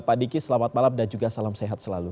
pak diki selamat malam dan juga salam sehat selalu